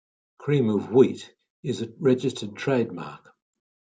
"Cream of Wheat" is a registered trademark.